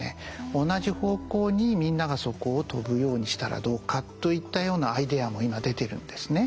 同じ方向にみんながそこを飛ぶようにしたらどうかといったようなアイデアも今出てるんですね。